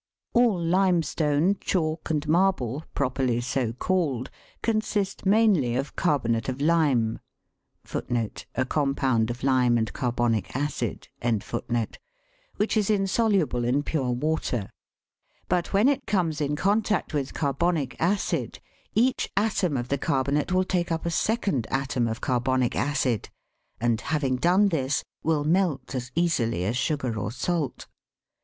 All limestone, chalk, and marble, properly so called, consist mainly of carbonate of lime,* which is insoluble in pure water ; but when it comes in contact with carbonic acid, each atom of the carbonate will take up a second atom of carbonic acid, and, having done this, will melt as easily as sugar or salt.